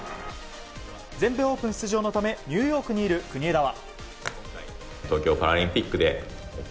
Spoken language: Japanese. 全米オープン出場のためニューヨークにいる国枝は。